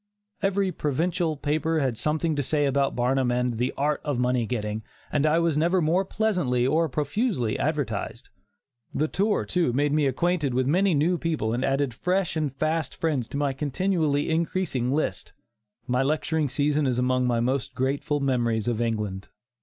Every provincial paper had something to say about Barnum and "The art of Money Getting," and I was never more pleasantly or profusely advertised. The tour, too, made me acquainted with many new people and added fresh and fast friends to my continually increasing list. My lecturing season is among my most grateful memories of England.